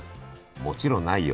もちろんないよ。